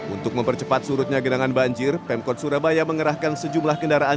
untuk mempercepat surutnya genangan banjir pemkot surabaya mengerahkan sejumlah kendaraan